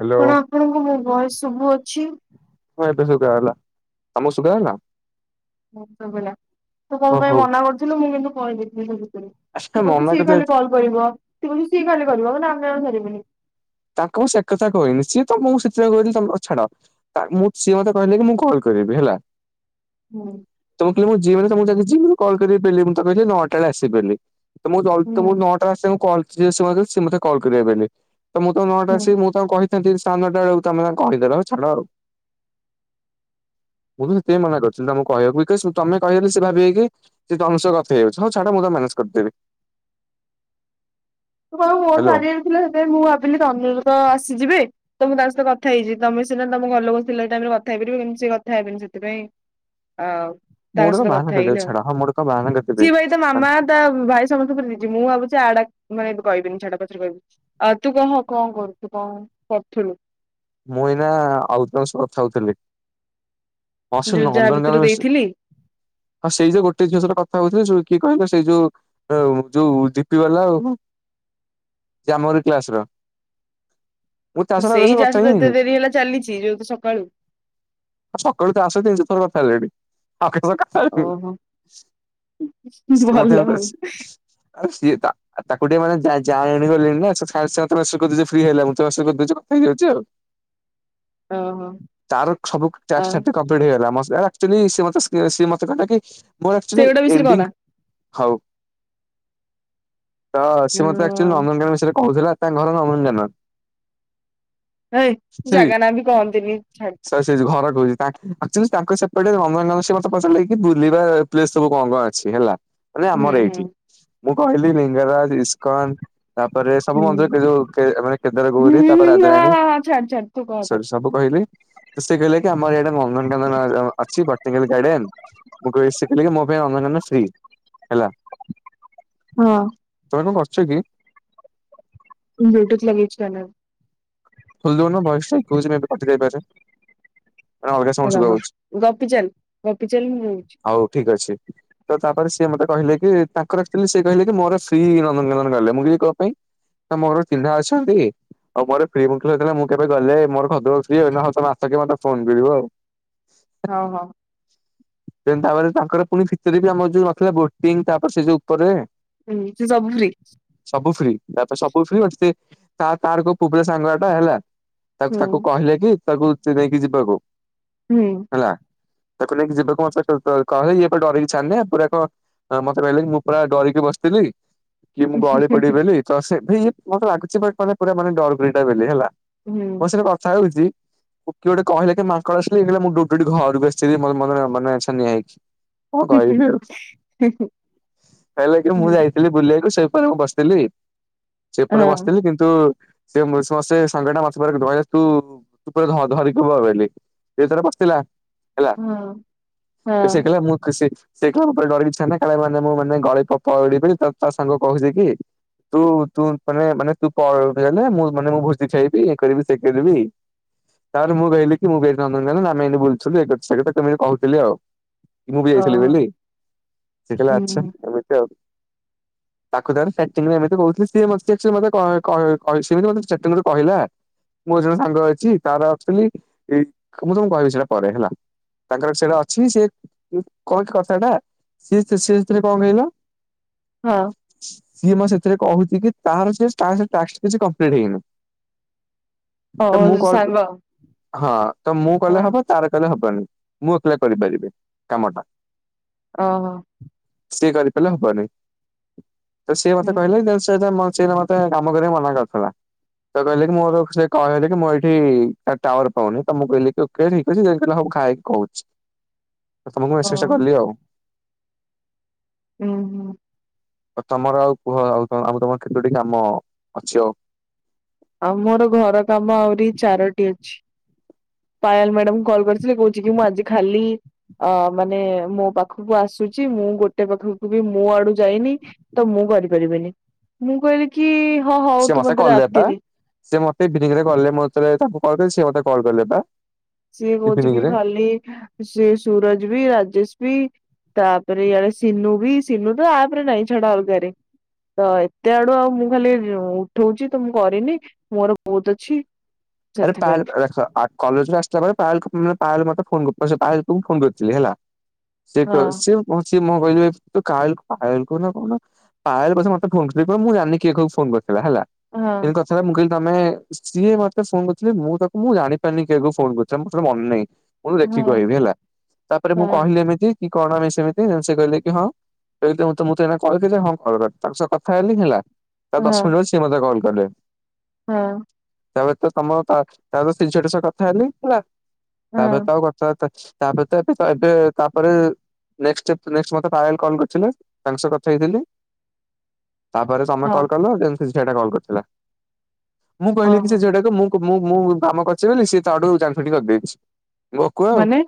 Hello କଣ ଆପଣଙ୍କୁ ମୋ ଭୟସ ଶୁଭୁ ଅଛି? ହଁ ଏବେ ଶୁଭା ଗଲା ତମକୁ ଶୁଭା ଗଲା? ସୁଵିଲା। ତୁ କଣ ଓ ପାଇଁ ହଉ। ମନା କରୁଥିଲୁ ମୁଁ କିନ୍ତୁ କହିଦେଇଥିଲି ସେ ଭିତରେ ଆଚ୍ଛା ସେ କହୁଛି ମନା କରିଦେ ସିଏ ଖାଲି କରିବ [unintelligible] ତାଙ୍କୁ ମୁଁ ସେ କଥା କହିହନି ସିଏ ତମ ମୁଁ ସେଥିରେଳେ କହିଲି ତମେ ଛାଡ। ମୁଁ ସିଏ ମୋତେ କହିଲେ କି ମୁଁ କଲ୍ କରିବି ହେଲା। ହୁଁ ତମେ କିଲ ମୁଁ ଯି ମାନକୁ ଯକି ମ କଲ କରିାରଲି ମୁଁ କିଲି ନଅଟା ବଳେ ଆସିବି ବୋଲି। ତ ମୁ ଜି ହୁଁ ତ ନଅଟା ଆସ ମତେ କଲ୍ କରିବେ ବୋଲି କହିଲେ। ତ ମୁଁ ତ ନଅଟା ଆସିବି ହୁଁ ମୁଁ ତାଙ୍କୁ କହିଥାନ୍ତି ସାଢେ ନଅଟା ବେଳକୁ ତମେ ତାଙ୍କୁ କହିଦେଲ ଛାଡ ଆଉ। [inaudible] ମୁଁ ତ ସେତେ ମନା କରିଥିଲି ତମକୁ କହିବାକୁ କି ତମେ କହିଦେଲେ ସେ ଭାବିବେ କି ସେ ତମ ସହ ଗପିବେ ହଉ ଛାଡ ମୁଁ ତ ମାନେଜ କରିଦବି। [inaudible] ତୁ କଣ ମୋର ହ୍ୟାଲୋ। ସାରିବାର ଥିଲା ସେଥିପାଇଁ ମୁଁ ଭାବିଲି ତନ୍ଦୁର ତ ଆସିଯିବେ। ତ ମୁଁ ତା ସହିତ କଥା ହେଇଛି ତମେ ସିନା ତମ ଘର ଲୋକ ଥିଲା ଟାଇମ କଥା ହେଇପାରିବନି କେମିତି କଥା ହେବନି ସେପାଇଁ ଆଉ ମୁଁ ତାଙ୍କ ଗୋଟେ କଣ ସହିତ ବାହାନା କଥା କରିଦେବି ହେଇନ ଆଉ ଛାଡ ହଁ ମୁଁ ଗୋଟେ କଣ ବାହାନା କରିଦେବି। ସିଏ ଭାଇ ତ ମାମା ତା ଭାଇ ସମସ୍ତଙ୍କ ଦଛି ମୁଁ ଭାବୁଛି ଆଡା ମାନେ କହିବିନି ଛାଡା ପଛରେ କହିବି ଆଉ ତୁ କହ କଣ କରୁଛୁ କଣ କରୁଥିଲୁ? ମୁଇନା ଆଉଟ୍ ହାଉସ କଥାହଉଥିଲି ଯୋଉ ଯାହା ଭିତରୁ ଦେଇଥିଲି [unintelligible] ଆଉ ସେଇ ଯୋଉ ଗୋଟେ ଝିଅ ସହ କଥା ହଉ ଯୋଉ କି କିଲେ ସେଇ ଯୋଉ ଆଉ ଯୋଉ ଦିପି ବାଲା ଆଉ। ଆମରୀ କ୍ଲାସ ର ମୁଁ ତା ସହ ସେଇ ଯାହା କଥା ହିଁ ଏତେ ହେଇନି। ଦେରି ହେଲା ଚାଲିଛି ଯୋଉ ସକାଳୁ। ସକାଳୁ ତ [unintelligible] ଓହୋ ସେ ମତେ ଭଲ ମ ହଉ ସିଏ ତା ଆଉ ତାକୁ ଟିକେ ମାନେ ଯାଣଣି ଗଲିଣି ନା ସାେତ ମା କରିଦଉଛି ଫ୍ରି ହେଲା ମୁଁ ମା କରିଦଉଛି କଥା ହେଇଯାଉଛି ଆଉ। ଓହୋ ତାର ସବୁ ଆଉ ଟାସ୍କ କମ୍ପ୍ଲିଟ ହେଇଗଲା। ମତେ ଆପ୍ ଚଲି ସେ ମତେ ସେ କହିଲା କି? ମୋର ଆପ୍ଚଲି ସେଗୁଡା ବିଷୟରେ କହନା। ଏଣ୍ଡିଙ୍ଗି ହଉ। ତ ସେ ମୋତେ ସେ ହଁ ଅମନ୍ୟ ବିଷୟରେ କହୁଥିଲା। ତା ଘରର ଅମନ୍ ନ୍ୟନ। ଏଇ, ସରି ଜାଗା ନାଁ ବି କହନ୍ତିନି? ଘର ଡୋରି। ତା ଆପ୍ଚଲି ତାଙ୍କର ସେପଟେ ର ନୁଆ ନୁଆ ସେ ମୋତେ କହୁଚନ୍ତି କି ବୁଲିବ - - ଏସବୁ କଁ କଁ ଅଛି ହେଲା। ମାନେ ହୁଁ ଆମର ହୁଁ। ଏଇଠି, ମୁଁ କହିଲି ଲିଙ୍ଗରାଜ ଇସ୍କନ ତାପରେ ସବୁ ହୁଁ ମନ୍ଦିର ଯୋଉ ମାନେ କେ କେଦାର ହୁଁ ଗୌରି ତାପରେ ହଁ ରାଜାରାଣୀ। ହଁ ହଁ ଛାଡ ଛାଡ଼ ତୁ କହ। ସ ତାକୁ। ସବୁ କହିବି। ତ ସେ କହିଲେ କି ଆମର ଏଆଡ଼େ ନନ୍ଦନକାନନ ଅ ଅଛି ବଟିଗାଲି ଗାର୍ଡେନ। ମୁ କହି ସେ କହିଲେ କି ମୋ ପାଇଁ ଅନ୍ଦାନନ ଶ୍ରୀ ହେଲା। ହଁ ତମେ କଂ କରୁଚ କି? ବୋଟଚ ଲାଗେଇଚି କାନରେ। ଖୋଲିଦଉନୁ ବୟସାଜାଇ [inaudible] ଦେଇ ପାରେ। ହ ରହ ଗୋପିଚାଲ ଗୋପିଚାଲ ମୁଁ ରହୁଚି। ହଉ ଠିକ୍ ଅଛି। ତ ତାପରେ ସିଏ ମତେ କହିଲେ କି ତାଙ୍କର ଆକ୍ଚୁଲି ସିଏ କହିଲେ କି ମୋର ଶ୍ରୀ ନନ୍ଦନକାନନ ଗଲେ, ମୁଁ କଁ ପାଇଁ? ତମ ଘର ଚିହ୍ନା ଅଛନ୍ତି। ଆଉ ମୋର [unintelligible] ହଉ, ହିଁ ଦେନ୍ ତାପରେ ତାଙ୍କର ଫୁଣି ଭିତେରେ ବି ଆମର ଯୋଉ ନଥିଲା ବୋଟିଂ। ତାପରେ ସେ ଯୋଉ ଉପରେ। ହିମିତି ସବୁ ଫ୍ରି। ସବୁ ଫ୍ରି ତାପରେ ସବୁ ଫ୍ରି ବାକି ତା ତାର କୋଉ ପୁଅ ପିଲା ସାଙ୍ଗ ଟାହେଲା। ତା ହୁଁ। ତାକୁ କହିଲେ କି ତାକୁ ଚିଡେଇ କି ଯିବାକୁ। ହୁଁ। ହେଲା, ତାକୁ ନେଇକି ଯିବାକୁ ମତେ ଟୋଟାଲ୍ କହିଲେ କି ଇଏ ଏପଟେ ଡରିକି ଛାନିଆଁ ପୁରା କଁ ହଁ, ମତେ କହିଲା କି ମୁଁ ପୁରା ଡରିକି ବସିଥିଲି। କି ମୁଁ ଗଳି ପଡ଼ିବି ହୁଁ ବୋଲି। ତ ସେବେ ଇଏ ମତେ ଲାଗୁଚି ବଟ ପରା ମାନେ ପୁରା ମାନେ ଡରୁକୁରୀ ବୋଲି ହେଲା। ମୋ ସାଙ୍ଗେରେ କଥା ହୋଉଚି। କିଏ ଗୋଟେ କହିଲା କି, ମାଙ୍କଡ଼ ଆସିଲା। ଇଏ କହିଲା ମୁଁ ଦୌଡିକି ଘରକୁ ଆସିଲି। ମୋର ମୋର ଏରା ମାନେ ଛାନିଆଁ ହେଇକି। କଣ କହିବି ହୁଁ ଆଉ। ହେଲେ କି ମୁଁ ହୁଁ ଯାଇ - - ଥିଲି ବୁଲିଆକୁ ସେ ପରା ମୁଁ ବସିଥିଲି। ସେପରେ ହଁ ବସିଥିଲି କିନ୍ତୁ ସେ ମୋର ସସ୍ ସେ ସାଙ୍ଗ ଟା ମତେ ପୁରା କି ଧଇଲା। ତୁ ତୁ ଧ ଧରିକି ବ ବେଲି। ସେ ଥରେ ବସିଥିଲା ହେଲା, ହଁ ହଁ ସେ କହିଲା ମୁଁ ସେ - - ସେ କହିଲା ମୁଁ ପୁରା ଡରିକି ଛାନିଆଁ କାଳେ ମାନେ ମୁଁ ମାନେ ଗଳି ପ ପ ପଡିବି ତ ତା ସାଙ୍ଗ କହୁଚି କି ତୁ ତୁ ମାନେ ମାନେ ତୁ ପଡ ଡିଲେ। ମୁଁ ମାନେ ମୁଁ ଭୋଜି ଖାଇବି। ଇଏ କରିବି। ସିଏ କରିବି। ତାପରେ ମୁଁ କହଲିି କି, ମୁଁ ବି ଏ ନନ୍ଦନକାନନ ଆମେ ଏମିତି ବୁଲୁଥିଲୁ ଇଏ କରୁଥିଲୁ ସେ କଥା ତମୁକୁ କହୁଥିଲି ଆଉ। ମୁଁ ବି ଯାଇଥିଲି ଓହୋ ବେଲି। ସେ କହିଲା ହୁଁ ଆଚ୍ଛା ଏମିତି ଆଉ। [unintelligible] କହିଛି ସେ ଏମିତି ମତେ ଷ୍ଟାର୍ଟିଂରୁ କହିଲା। ମୋର ଜଣ ସାଙ୍ଗ ଅଛି। ତାର ଆଚୁଏଲି ମୁଁ ତମକୁ କହିବି ସେଇଟା ପରେ ହେଲା। ତାଙ୍କର ସେଇଟା ଅଛି। ସେ ଏ କଣ କି କଥା ଟା? ସିଏ ସ୍ତ୍ରୀ ସିଏ ସ୍ତ୍ରୀ କଣ କହିଲ? ହଁ। ସିଏ ମତେ ସେଥିରେ କହୁଛି କି, ତାର ସେ ଟ୍ୟାକ୍ସ ଟ୍ୟାକ୍ସ କିଛି କ୍ୟାମ୍ପ୍ଲିଟ୍ ହେଇନି। ଅ ତ ମୁଁ କଲ୍ ସାଙ୍ଗ ହଁ। ତ ମୁଁ ହଁ କଲେ ହବ କି? ତାର କଲେ ହବନି। ମୁଁ ଏକେଲା କରି ପାରିବି। କାମ ଟା। ହଁ, ହଁ। ସିଏ କରି ପାରିଲେ ହବନି ତ ସିଏ ମତେ କହିଲା ଓହୋ କି? ସେଇଟା ମ ସେ ଏଇନା ମତେ କାମ କରିବାକୁ ମନା କରିଦେଲା। ତ କହିଲେ କି, ମୋର ସେ କହିଲେ କି, ମୁଁ ଏଇଠି ତା ଟାୱାର୍ ପାଉନି। ତ ମୁଁ କହିଲି ତୁ [unintelligible] ଉଁ ହୁଁ। ଆଉ ତମର ଆଉ କୁହ ଆଉ କଣ ଆଉ ତମର ଖେତୋଟି କାମ ଅଛି ଆଉ? ଆମର ଘର କାମ ଆହୁରି ଚାରୋଟି ଅଛି। ପାୟଲ୍ ମ୍ୟାଡ଼ାମ୍ କଲ୍ କରିଥିଲେ। କହୁଛି କି, ମୁଁ ଆଜି ଖାଲି ଅ ମାନେ ମୋ ପାଖକୁ ଆସୁଛି। ମୁଁ ଗୋଟେ ପାଖକୁ ବି ମୋ ଆଡୁ ଯାଇନି। ତ ମୁଁ କରି ପାରିବିନି। ମୁଁ କହିଲି କି, ହଁ ହଉ ସିଏ ତୁ ମତେ କଲେ ପା ରାତିରେ ସେ ମତେ ଇଭିନିଙ୍ଗ୍ କଲେ ମୁଁ ଥରେ ତାଙ୍କୁ କଲ୍ ଦେଲି ସେ ମତେ କଲ୍ ଦେଲେ ପା। ସିଏ କହୁଛି ଇଭିନିଂ କି ରେ ଖାଲି। ସେ ସୁରଜ ବି, ରାଜେଶ ବି, ତାପରେ ଇଆଡେ ସିନୁ ବି, ସିନୁ ତ ଆପ୍ ରେ ନାଇଁ। ଛାଡ଼ ଅଲଗରେ। ତ ଏତେ ଆଡୁ ଆଉ। ମୁଁ ଖାଲି ଓ ଉଠୋଉଛି ତ ମୁଁ କରିନି। ମୋର ବୋହୁତ୍ ଅଛି। ଆରେ ସେଥିପାଇଁ ପାଏଲ ଦେଖ କଲେଜରୁ ଆସିଲାବେଳେ ପାଏଲକୁ ଉଁ ପାଏଲ୍ମ ମତେ ଫୋନ ପାଏଲକୁ ମୁଁ ଫୋନ କରିଥିଲି ହେଲା। ହଁ [unintelligible] ପାଏଲ୍ ପଛେ ମତେ ଫୋନ କହିବ। ମୁଁ ଜାଣିନି କିଏ କାହାକୁ ଫୋନ୍ କରିଥିଲା ହେଲା। ହଁ ଏ କଥା ପା। ମୁଁ କହିଲି ତମେ ସିଏ ମତେ ଫୋନ କରଥିଲି ମୁଁ ତାକୁ ମୁଁ ଜାଣିପାରିନି କିକୁ ଫୋ କରିଥିଲି ମୋୋର ମନେ ନାହିଁ। ମୁଁ ହଁ ଲେଖିକି କହିବି ହେଲା ତାପରେ ମୁଁ ହଁ କହିଲି ଏମିତି କି କଣମେ ସେମିତି ସେ କହିଲେ କି ହଁ ତ ମୁଁତେ କଲ୍ ହଁ କ ତାଙ୍କ ସହ କଥା ହେଲିି ହେଲା ହଁ ଦଶ ମିନଟ ସିଏ ମତେ କଲ କଲେ। ହଁ। ତାପରେ ତ ତମ ତା ସେ ଝିଅଟା ସହ କଥା ହେଲି ହେଲା ହଁ ତାପରେ ତ ଆଉ ତାପରେ ତ ଏ ଏ ତାପରେ [unintelligible] ନେକଷ୍ଟ ନେକଷ୍ଟମତେପାଏଲ କଲ୍ କରିଥିଲେ ତାଙ୍କ ସହ କଥା ହେଇଥିଲି। ତାପରେ ତମେ ହଁ କଲ କଲ ଯେମିତି ସେ ଝିଅଟା କଲ୍ କରିଥିଲା ମୁଁ କହିଲି ଓହୋ ସେଇଟା ମୁଁ ମୁଁ ମୁଁ କାମ କରିଛି ବୋଲି ସିଏ ତାଠୁ ଯାଣିଫୁଟି କରିଦେଇଛି ବକୁଆ ଆଉ। ମାନେ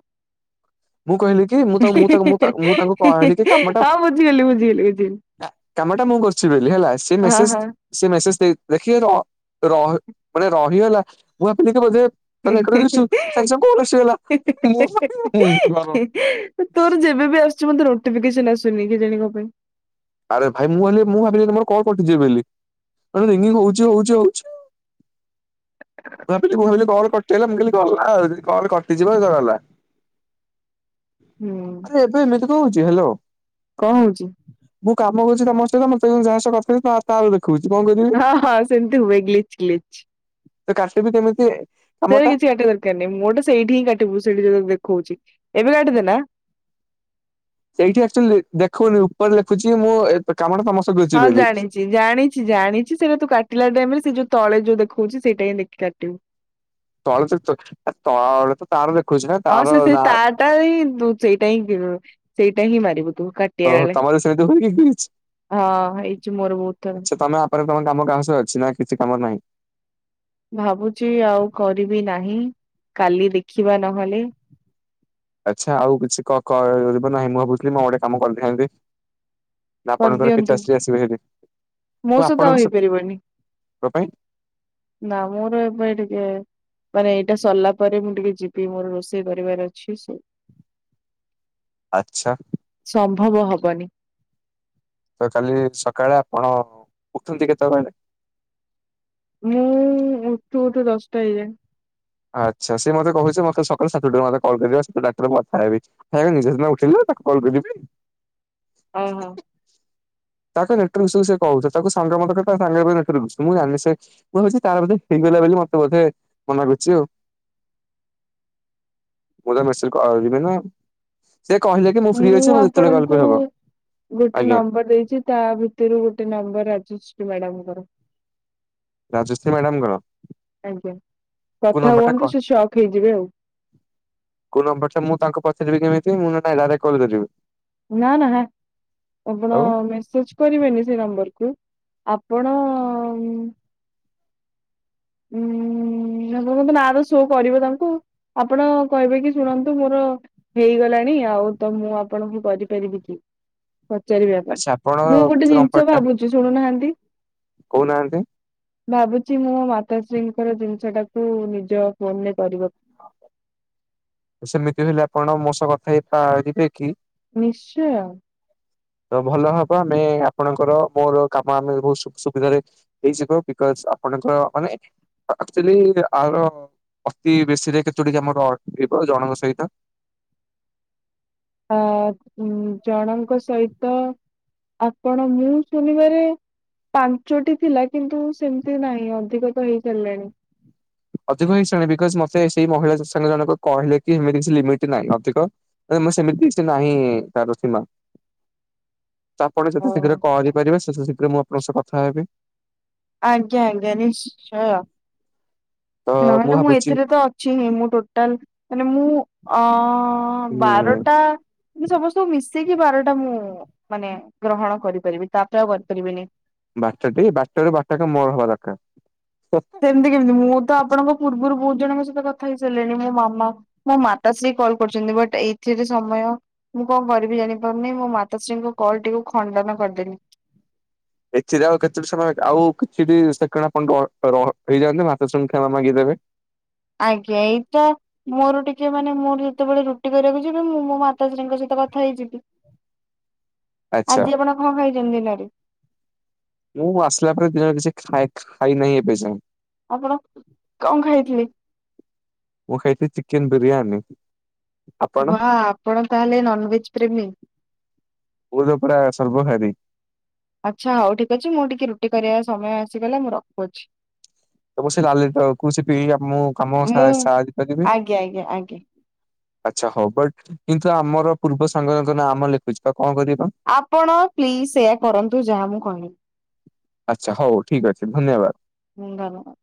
ମୁଁ କହିଲି କି ମୁଁ ତମୁଁ ତମୁଁ ତମୁଁ ତାଙ୍କୁ କହିଲି କି କାମଟା ହଁ ବୁଝିଗଲି ବୁଝିଗଲି ବୁଝିଗଲି କାମ ଟା ମୁଁ କରୁଛି ବୋଲି ହେଲା ସେ ହଁ ମେସେଜ ହଁ ସେ ମେସେଜ ଦେଇ ଦେଖ ର ମାନେ ରହିଗଲା ମୁଁ ଭାବି ଦେଖିବ ଯେ ତା ନକସୁ ତା କୋଲସଲା ମୁ ମୁ ଘର [unintelligible] କେବେ ବି ଆସୁ ବନ୍ଧୁ ନୋଟିଫିକେସନ ଆସୁନି କେଜାଣି କଣ ପାଇଁ। ଆରେ ଭାଇ ମୁଁାବି ମୁଁ ଭାବିଲି ମୋର କଣ କରିଛିିବ ବୋଲି। ରିଙ୍ଗ ହଉଛି ହଉଛି ହଉଛି ଆଉ ଭାବିଲି ମୁଁ ହୁଁ ଭାବିଲି କଲ୍ [unintelligible] ମୁଁ କଲଲି ଗଲା ଆଉ କଲ୍‌ କଟିଯିବ ଗଲା। ଆରେ ଏବେ ଏମିତି କଣ କହୁଛି ହ୍ୟାଲୋ। କଅଁ ହଉଛି? ମୁଁ କାମ କରୁଛି ତମ ସହିତ ମତେ ଯହା ସହ କଥା ହେଲେ କହୁଛି ଆ ତା ଖୁଚପ ମେରିକ୍। ହଁ ହଁ ସେମିତି ହୁଏ ଗ୍ଲିଚ୍ ଗ୍ଲିଚ୍। ତ କାଷି ବି କେମିତି ଏ? ସେ ଗୁରା କିଛି କାଟିବା ଦକାର ନାହିଁ ମୋଟେ ସେଇଠି ହିଁ କାଟିବୁ ସେଇଠି ଯଉ ଦେଖଉଛି। ଏବେ କାଟିଦେଲା। ସେଇଠି ଆଚୁଆଲି ଦେଖେଉନି ଉପରେ ଲେଖୁଛି ମୁଁ ଏ କାମ ଟା ସମସ୍ତ ହଁ ଜାଣିଛି। ଜାଣିଛି ଜାଣିଛି ସେଇଟା ତୁ କାଟିଲା ଟାଇମି ରେ ସେ ଯୋଉ ତଳେ ଯୋଉ ଦେଖଉଛି ସେଇଟା ହିଁ ଦେଖି କାଟିବୁ। ତଳେ ଚିକି ଚାକ ହେ ତଳେ ତ। ତାର ଦେଖେଉଛିନାଁ? ହଁ ସେଥିରେ ତାଟା ଇଁ ତୁ ସେଇଟା ହିଁ ବି। ସେଇଟା ହିଁ ମାରିବୁ ତୁ। କାଇଁ କିଏ ଓହୋ ଆଣେ। ତମର ସେମିତି ହୁଏ କି କିଛି ହଁ ହେଇଛି ମୋର ବହୁତୁ ଥର। ଉପରେ ରେ ତମ କାମ କାହା ସ ଅଛି ନା କିଛି କାମ ନାହିଁ? ଭାବୁଛି ଆଉ କରିବି ନାହିଁ। କାଲି ଦେଖିବା ନହେଲେ। ଆଚ୍ଛା ଆଉ କିଛିି କ କ ମାନେ ନାହିଁ ମୁଁ ଭାବୁଥିଲି ମୁଁ ଗୋଟେ କାମ କରିଥାନ୍ତି। ନା ଆପଣଙ୍କର କରିଦିଅନ୍ତୁ ପିଚା ଶ୍ରୀ ଆସିବେ ହେଲେ? ମୋ ସହିତ ଆଉ ହେଇପାରିବନି। ଙ୍କ ପାଇଁ ନାଁ ମୋର ଏବେ ଟିକେ ମାନେ ଏଇଟା ସଲା ପରେ ମୁଁ ଟିକେ ଯିବି ମୋର ରୋଷେଇ କରିବାର ଅଛି ସେ ଆଚ୍ଛା। ସମ୍ଭବ ହବନି। ତ କାଲି ସକାଳେ ଆପଣ। ଉଠନ୍ତି କେତେବେଳେ କହିଲେ? ମୁଁ ଉଠୁ ଉଠୁ ଦଶଟା ହେଇଯାଏ। ଆଚ୍ଛା ସେ ମତେ କହୁଛି ମତେ ସକାଳେ ସାତଠାରୁ ମତେ କଲ କରିବ ସେ ଡାକ୍ଟର ମଥା ହେବି। ହେ ନିଜେସେଦିନ ଉଠିଲି ତାକୁ କଲ ପେଲିଲି। ଓହୋ। ତା ତ ନେଟର ସେ ସ କହୁଛି ତାକୁ ସାଙ୍ଗମଙ୍ଗ ତ ତା ସାଙ୍ଗରେ ତ ଦେଖୁଥିଲୁ। ମୁଁ ଜାଣିନି ସେ ମୁଁ ଭାବୁଛି ତାର ବୋଧେ ସିଙ୍ଗେଲେ ବଲେ ମୋତେ ବୋଧେ ମନା କରୁଛି। ଜିଅ। ମୁଁ ତ ମେସେଜେ କରିବିନି। ସେ କହିଲେ ବି ମୁଁ ଆପଣଙ୍କୁ। ଗୋଟେ ଆଜ୍ଞା ନମ୍ବର ଦେଇଛି ତା ଭିତରୁ ଗୋଟେ ନମ୍ବର ରାଜଶ୍ରୀ ମ୍ୟାଡାମଙ୍କର। ରାଜସ୍ତ୍ରୀ ମ୍ୟାଡ଼ାମକଂର। ଆଜ୍ଞା। କଥା କ ହୁଅନ୍ତୁ ସେ ସକ୍ ହେଇଯିବେ ଆଉ। କୋଉ ନମ୍ବର ଟା ମୁଁ ତାଙ୍କୁ ପଚାରିବି କେମିତି ମୁଁ ନହେଲେ ତା ଜାଗାରେ କଲ କୁ ଯିବୁ। ନାଁ ନାଁ ହେଁ। ଆପଣ ଆଉ ମେସେଜ କରିବେ ନି ସେ ନମ୍ବର କୁ। ଆପଣ ଉୁଁ ମୁଁ କହୁଥିଲି ଆର ସୋ କରିବ ତାଙ୍କୁ। ଆପଣ କହିବେ କି ଶୁଣନ୍ତୁ ମୋର। ହେଇଗଲାଣି ଆଉ ତ ମୁଁ ଆପଣଙ୍କୁ କରିପାରିବି କି? ପଚାରିବା ପାଇଁ। ଆଚ୍ଛା ଆପଣ ମୁଁ ଗୋଟେ ଯୋଉ ଜିନିଷ ନମ୍ବରଟା ଭାବୁଛି ଶୁଣୁନାହାନ୍ତି? କହୁନାହାନ୍ତି? ଭାବୁଛି ମୋ ମାତାଶ୍ରୀଙ୍କର ଦିନଷ ଟାକୁ ନିଜ ଫୋନରେ କରିବାକୁ। ସେମିତି ହେଲେ ଆପଣ ମୋ ସହ କଥା ହେଇ ପାରିବେ କି? ନିଶ୍ଚୟ। ତ ଭଲ ହବ ଆମେ ଆପଣଙ୍କର ମୋର କାମ ଆମେ ବହୁତୁ ସୁ ସୁବିଧାରେ ହେଇଯିବ ବିକଜ ଆପଣଙ୍କର ମାନେ। ଆଚୁଆଲି ଆର ଅତି ବେଶୀ ଡିରେକେ ଚୁଡେକେ ମୋର। ଏଇପା ଜଣଙ୍କ ସହିତ। ଆ ଜଣଙ୍କ ସହିତ ଆପଣ ମୁଁ ଶୁଣିବାରେ ପାଞ୍ଚଟି ଥିଲା କିନ୍ତୁ ସେମିତି ନାହିଁ ଅଧିକ ତ ହେଇ ସାରିଲାଣି। ଅଧିକ ହେଇସାଇଲାଣି ବିକଜ ମତେ ସେଇ ମହିଳା ସାଙ୍ଗ ଜଣକ କହିଲେ ଏମିତି କିଛି ଲିମିଟ ନାହିଁ, ଅଧିକ ମୁଁ ସେମିତି କିଛି ନାହିଁ ତାର ସୀମା। ତାପରେ ଯେତେ ଓହୋ ଶୀଘ୍ର କହିପାରିବେ ସେତେ ଶୀଘ୍ର ମୁଁ ଆପଣଙ୍କ ସହ କଥା ହେବି। ଆଜ୍ଞା ଆଜ୍ଞା ନିଶ୍ଚୟ ତ ନହେଲେ ମୁଁ ଭାବୁଛି ଏଥିରେ ତ ଅଛି ମୁଁ ଟୋଟାଲ ମାନେ ମୁଁ ଅ ଉଁ ବାରଟା କି ସମସ୍ତଙ୍କୁ ମିଶେଇକି ବାରଟା ମୁଁ ମାନେ ଗ୍ରହଣ କରିପାରିବି ତା ପରେ ଆଉ କରିପାରିବିନି। ବାଟାଟି ବାଟା ରୁ ବାଟା ମୋର ହବା ଦରକାର। ସେମିତି କେମିତି ମୁଁ ତ ଆପଣଙ୍କ ପୂର୍ବରୁ ବହୁତ ଜଣଙ୍କ ସହିତ କଥା ହେଇସାରିଲିଣି ମୋ ମାମା ମୋ ମାତାଶ୍ରୀ କଲ୍ କରୁଛନ୍ତି, ବଟ୍ ଏଇଥିରେ ସମୟ ମୁଁ କଣ କରିବି ଜାଣିପାରୁନି ମୋ ମାତାଶ୍ରୀଙ୍କ କଲ ଟିକକୁ ଖଣ୍ଡନ କରିଦେଲି। ଏଥିରେ ଆଉ କେତେ ସମୟ ଆଉ କିଛି ବି ସେକେଣ୍ଡ ଆପଣ ର ର ରହି ରହିଯାନ୍ତୁ ମାତାଶ୍ରୀ ଙ୍କୁ କ୍ଷମା ମାଗିଦେବେ। ଆଜ୍ଞା ଏଇତ ମୋର ଟିକେ ମାନେ ମୁଁର ଯେତେବେଳେ ରୁଟି କରିବାକୁ ଯିବି ମୁଁ ମୋ ମାତାଶ୍ରୀଙ୍କ ସହିତ କଥା ହେଇଯିବି। ଆଚ୍ଛା ଆଜି ଆପଣ କଣ ଖାଇଛନ୍ତି ଦିନରେ? ମୁଁ ଆସିଲା ପରେ ଦିନ ଜଣ କିଛି ଖା ଖାଇ ଖାଇ ନାହିଁ ଏବେ ଯାଏଁ। ଆପଣ କଣ ଖାଇଥିଲେ? ମୁଁ ଖାଇଥିଲି ଚିକେନ ବିିରିୟାନୀ। ବା ଆପଣ ତାହେଲେ ନନଭେଜ ପ୍ରେମୀ। [unintelligible] ପୁରା ସର୍ବହାରୀ। ଆଚ୍ଛା ହଉ ଠିକ ଅଛି ମୁଁ ଟିକେ ରୁଟି କରିବା ସମୟ ଆସିଗଲେ ମୁଁ ରଖୁଅଛି। [unintelligible] ତାକୁ ଛିପିଇ ମୁଁ କାମ ସା ମୁଁ ସା ସାରିପାରିବି। ଆଜ୍ଞା ଆଜ୍ଞା ଆଜ୍ଞା। ଆଚ୍ଛା ହଉ ବଟ କିନ୍ତୁ ଆମର ପୂର୍ବ ସାଙ୍ଗଙ୍କ ନାଁ ଆମ ଲେଖୁଛି ବା କଣ କରିବା? ଆପଣ ପ୍ଲିଜ ସେଇୟା କରନ୍ତୁ ଯାହା ମୁଁ କହିବି। ଆଚ୍ଛା ହଉ ଠିକ ଅଛି ଧନ୍ୟବାଦ। ହୁଁ।